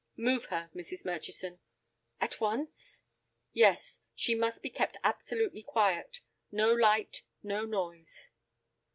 "Move her, Mrs. Murchison." "At once?" "Yes. She must be kept absolutely quiet; no light, no noise."